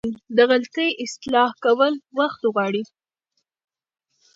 د غلطي اصلاح کول وخت غواړي.